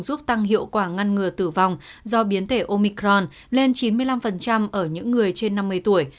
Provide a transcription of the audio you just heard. giúp tăng hiệu quả ngăn ngừa tử vong do biến thể omicron lên chín mươi năm ở những người trên năm mươi tuổi